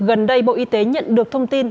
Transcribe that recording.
gần đây bộ y tế nhận được thông tin